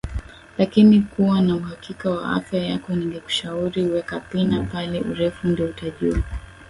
lakini kuwa na uhakika wa afya yako ningekushauri weka pina pale urefu ndio utajua